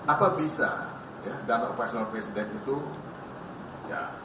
apa bisa ya dana operasional presiden itu ya